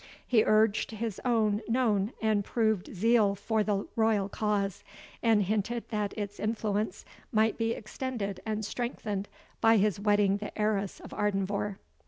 He urged his own known and proved zeal for the royal cause, and hinted that its influence might be extended and strengthened by his wedding the heiress of Ardenvohr.